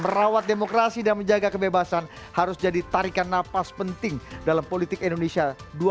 merawat demokrasi dan menjaga kebebasan harus jadi tarikan napas penting dalam politik indonesia dua ribu dua puluh